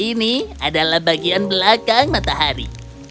ini adalah bagian belakang matahari